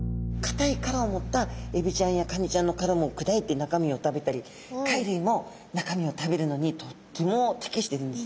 たいからをもったエビちゃんやカニちゃんのからもくだいてなかみを食べたり貝るいもなかみを食べるのにとってもてきしてるんですね。